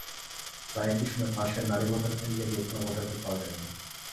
প্রায় একই সময় পাশের নারী ভোটার কেন্দ্রে গিয়ে কোনো ভোটারকে পাওয়া যায়নি।